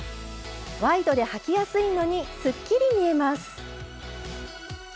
ワイドではきやすいのにすっきり見えます。